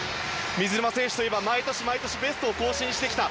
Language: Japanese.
水沼選手といえば毎年、毎年ベストを更新してきた。